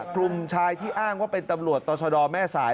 กลุ่มชายที่อ้างว่าเป็นตำรวจต่อชะดอแม่สาย